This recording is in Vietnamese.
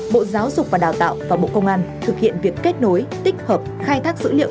bộ giáo dục và đào tạo và bộ công an thực hiện việc kết nối tích hợp khai thác dữ liệu